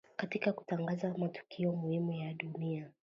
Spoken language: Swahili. katika kutangaza matukio muhimu ya dunia